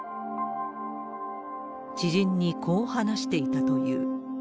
知人にこう話していたという。